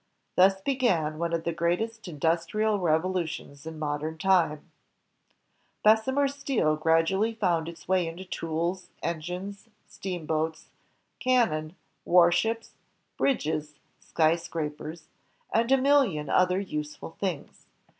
Thus began one of the greatest industrial revolutions in modem times. Bessemer's steel gradually found its way into tools, engines, steamboats, cannon, warships, bridges, skyscrapers, and a million other useful things.